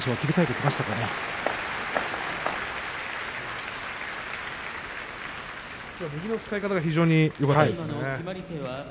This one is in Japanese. きょうは右の使い方が非常によかったですね。